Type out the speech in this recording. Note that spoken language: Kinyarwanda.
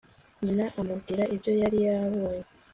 nyina amubwira ibyo yari yabonye